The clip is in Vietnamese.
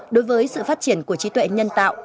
đối với sự phát triển của trí tuệ nhân tạo